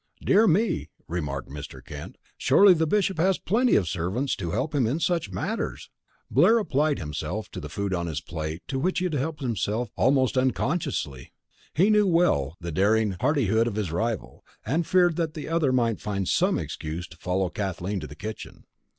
"Dear me," remarked Mr. Kent, "surely the Bishop has plenty of servants to help in such matters?" Blair applied himself to the food on his plate to which he had helped himself almost unconsciously. He well knew the daring hardihood of his rival, and feared that the other might find some excuse to follow Kathleen to the kitchen.